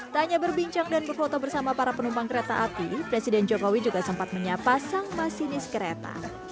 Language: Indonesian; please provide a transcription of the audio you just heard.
tak hanya berbincang dan berfoto bersama para penumpang kereta api presiden jokowi juga sempat menyapa sang masinis kereta